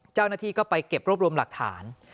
เจ้าหน้าที่ก็ไปเก็บรวบรวมหลักฐาน